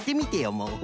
もう。